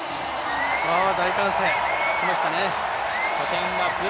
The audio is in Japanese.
大歓声、きましたね。